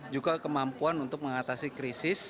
juga kemampuan untuk mengatasi krisis seperti misalkan adanya isolasi